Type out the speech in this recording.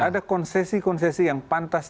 ada konsesi konsesi yang pantas